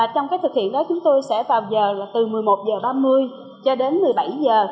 trong thực hiện đó chúng tôi sẽ vào giờ từ một mươi một h ba mươi đến một mươi bảy h